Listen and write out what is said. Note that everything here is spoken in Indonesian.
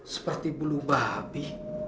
seperti bulu babi